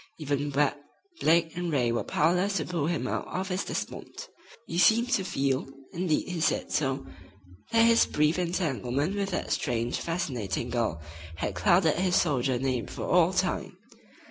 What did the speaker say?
Even Webb, Blake and Ray were powerless to pull him out of his despond. He seemed to feel, indeed he said so, that his brief entanglement with that strange, fascinating girl had clouded his soldier name for all time.